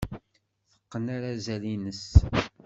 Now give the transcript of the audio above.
Teqqen arazal-nnes.